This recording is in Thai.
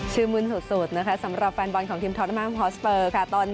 ชื่นมืนสุดนะคะสำหรับแฟนบอลของทีมท็อตแม่งฮอสเบอร์ค่ะ